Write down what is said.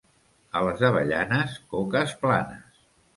A les Avellanes, coques planes.